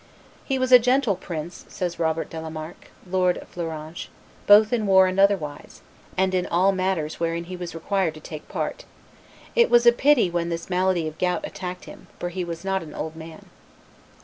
"He was a gentle prince," says Robert de la Marck, lord of Fleuranges, "both in war and otherwise, and in all matters wherein he was required to take part. It was pity when this malady of gout attacked him, for he was not an old man."